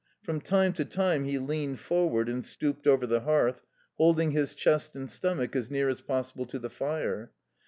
From time to time he leaned forward and stooped over the hearth, holding his chest and stomach as near as possible to the fire.